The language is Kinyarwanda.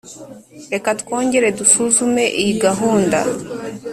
reka twongere dusuzume iyi gahunda.